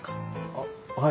あっはい。